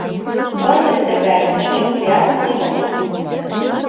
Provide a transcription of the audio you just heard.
Мо тиде тыгай — мый нигузеат умылен ом керт.